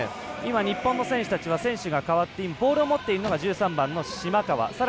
日本の選手たちは選手が代わってボールを持っているのが１３番、島川。